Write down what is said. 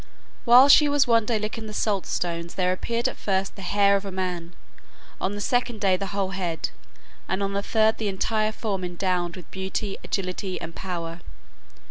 While she was one day licking the salt stones there appeared at first the hair of a man, on the second day the whole head, and on the third the entire form endowed with beauty, agility, and power.